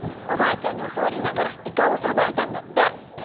おばあちゃんにおそわりながらイカをさばいたんだって。